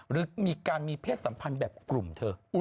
หรือมีการมีเพศสัมพันธ์แบบกลุ่มเธอ